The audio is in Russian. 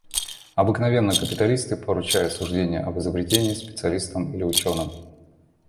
Обыкновенно капиталисты поручают суждение об изобретении специалистам или ученым.